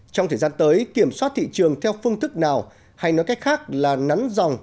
trong thời gian tới kiểm soát thị trường theo phương thức nào hay nói cách khác là nắn dòng